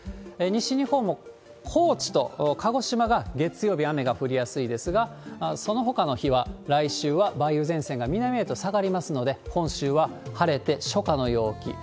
西日本も高知と鹿児島が月曜日、雨が降りやすいですが、そのほかの日は、来週は梅雨前線が南へと下がりますので、本州は晴れて、初夏の陽気。